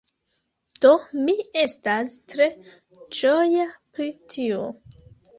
Do mi estas tre ĝoja pri tio.